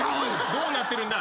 どうなってるんだ。